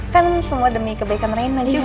kan semua demi kebaikan reina juga kan